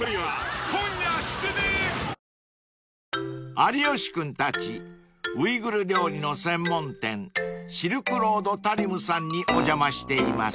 ［有吉君たちウイグル料理の専門店シルクロード・タリムさんにお邪魔しています］